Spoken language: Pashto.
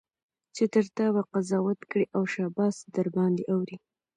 چي پر تا به قضاوت کړي او شاباس درباندي اوري